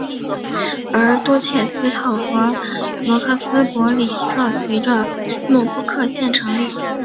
而多切斯特和罗克斯伯里则随着诺福克县成立。